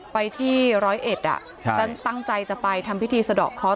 ไปที่ร้อยเอ็ดฉันตั้งใจจะไปทำพิธีสะดอกเคราะห